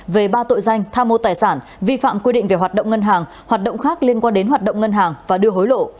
về ba tội danh tha mô tài sản vi phạm quy định về hoạt động ngân hàng hoạt động khác liên quan đến hoạt động ngân hàng và đưa hối lộ